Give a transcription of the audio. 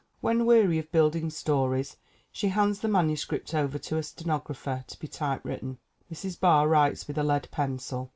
When weary of building stories she hands the manuscript over to a stenographer to be typewritten. Mrs. Barr writes with a lead pencil.